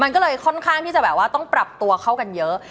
มันก็เลยค่อนข้างที่จะแบบว่าต้องปรับตัวเข้ากันเยอะ